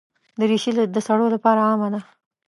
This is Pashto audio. دریشي د سړو لپاره عامه ده.